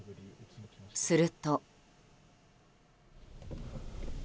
すると。